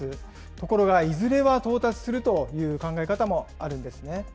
ところがいずれは到達するという考え方もあるんですね。